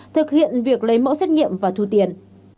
thực hiện việc lấy mẫu xét nghiệm và thu tiền